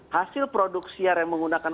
hasil produk siar yang menggunakan